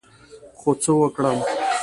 خو څه وکړم،